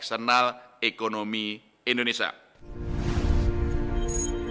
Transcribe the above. kedepan diperkirakan akan diperkirakan akan diperkirakan akan diperkirakan